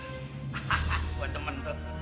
hahaha gua nemen tetep